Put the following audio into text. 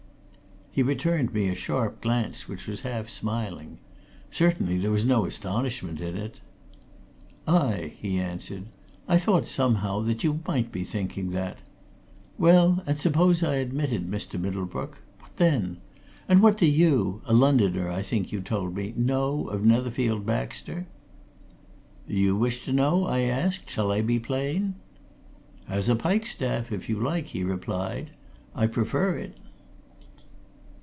He returned me a sharp glance which was half smiling. Certainly there was no astonishment in it. "Aye!" he answered. "I thought, somehow, that you might be thinking that! Well, and suppose I admit it, Mr. Middlebrook? What then? And what do you a Londoner, I think you told me know of Netherfield Baxter?" "You wish to know?" I asked. "Shall I be plain?" "As a pike staff, if you like," he replied. "I prefer it."